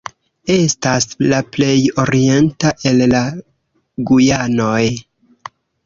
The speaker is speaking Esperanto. Estas la plej orienta el la Gujanoj.